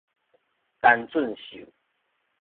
陳俊秀